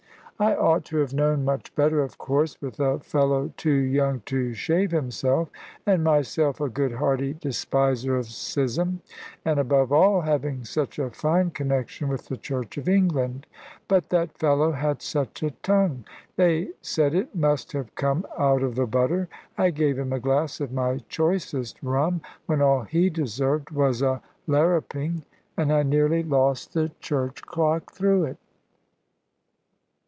I ought to have known much better, of course, with a fellow too young to shave himself, and myself a good hearty despiser of schism, and above all having such a fine connection with the Church of England. But that fellow had such a tongue they said it must have come out of the butter. I gave him a glass of my choicest rum, when all he deserved was a larruping. And I nearly lost the church clock through it.